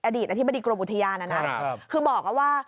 อดีตอธิบดีกรมอุทยานนะนะคือบอกว่า